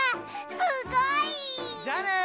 すごい！じゃあね！